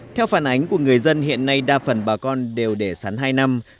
theo phản ánh của người dân hiện nay đa phần bà con đều để sắn hai năm